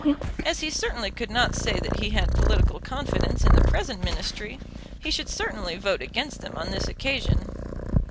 As he certainly could not say that he had political confidence in the present Ministry, he should certainly vote against them on this occasion.